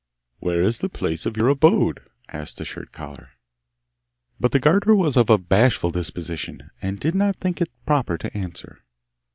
'Where is the place of your abode?' asked the shirt collar. But the garter was of a bashful disposition, and did not think it proper to answer.